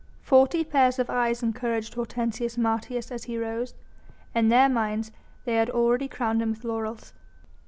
Forty pairs of eyes encouraged Hortensius Martius as he rose. In their minds they had already crowned him with laurels.